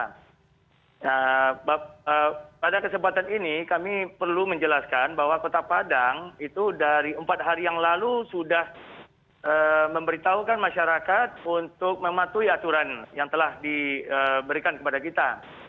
nah pada kesempatan ini kami perlu menjelaskan bahwa kota padang itu dari empat hari yang lalu sudah memberitahukan masyarakat untuk mematuhi aturan yang telah diberikan kepada kita